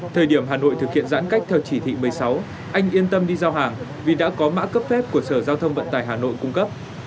thời điểm hà nội thực hiện giãn cách theo chỉ thị một mươi sáu anh yên tâm đi giao hàng vì đã có mã cấp phép của sở giao thông vận tải hà nội cung cấp